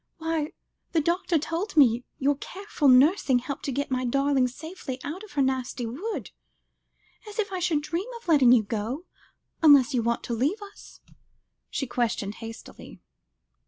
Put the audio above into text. Why, the doctor told me your careful nursing helped to get my darling safely out of her nasty wood. As if I should dream of letting you go, unless you want to leave us?" she questioned hastily.